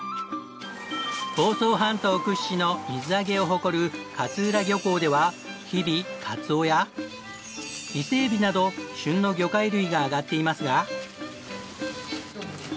房総半島屈指の水揚げを誇る勝浦漁港では日々カツオや伊勢海老など旬の魚介類が揚がっていますが。